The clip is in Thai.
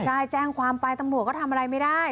ใช่แจ้งความไปตำรวจก็ทำอะไรไม่ได้